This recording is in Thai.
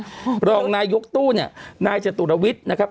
เวร่องนายยกตู้นี่นายแช่ตุระวิทย์นะครับ